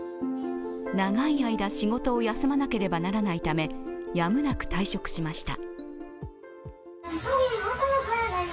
長い間、仕事を休まなければならないため、やむなく退職しました。